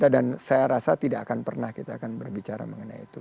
dan saya rasa tidak akan pernah kita akan berbicara mengenai itu